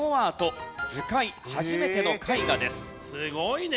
すごいね。